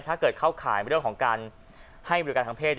ถ้าเกิดเข้าข่ายเรื่องของการให้บริการทางเพศ